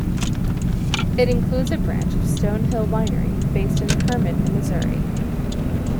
It includes a branch of Stone Hill Winery, based in Hermann, Missouri.